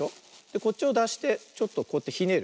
こっちをだしてちょっとこうやってひねる。